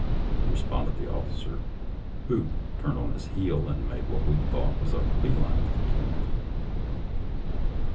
" re sponded the officer, who turned on his heel and made what he thought. was a bee line for camp.